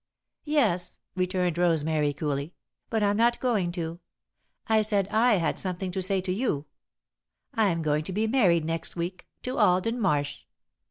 "Yes," returned Rosemary, coolly, "but I'm not going to. I said I had something to say to you. I'm going to be married next week to Alden Marsh.